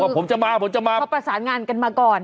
ผมจะมาผมจะมานะครับราสาทงานกันมาก่อน